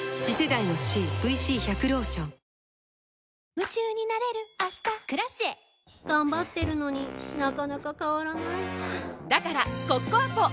夢中になれる明日「Ｋｒａｃｉｅ」頑張ってるのになかなか変わらないはぁだからコッコアポ！